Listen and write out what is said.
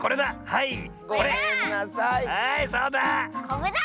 はいそうだ！